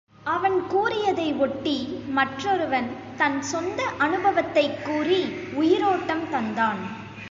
அவன் கூறியதை ஒட்டி மற்றொருவன் தன் சொந்த அனுபவத்தைக் கூறி உயிரோட்டம் தந்தான்.